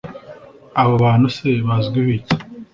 Abo bantu se bazwiho iki